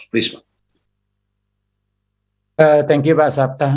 terima kasih pak sabta